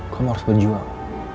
kamu harus berjuang